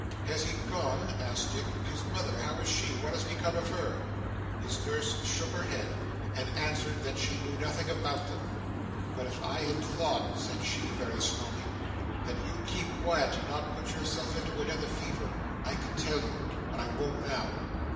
'Has he gone?' asked Dick 'his mother how is she, what has become of her?' His nurse shook her head, and answered that she knew nothing about them. 'But, if I thought,' said she, very slowly, 'that you'd keep quiet, and not put yourself into another fever, I could tell you but I won't now.